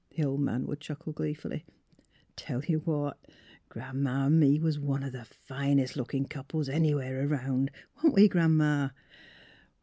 " the old man would chuckle gleefully. '* Tell ye what, Gran 'ma an' me was one of the finest lookin* couples anywheres around; wa'n't we, Gran 'ma?